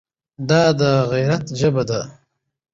دا د غیرت ژبه ده.